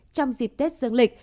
trong dịp tết dương lịch